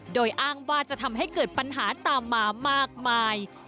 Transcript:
โดยอ้างว่าจะทำให้เกิดปัญหาตามมามากมาย